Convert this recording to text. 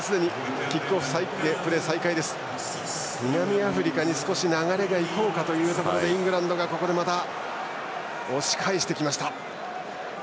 南アフリカに少し流れが行こうかというところでイングランドがまた押し返してきました。